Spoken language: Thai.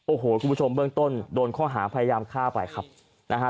โอ้โหคุณผู้ชมเบื้องต้นโดนข้อหาพยายามฆ่าไปครับนะฮะ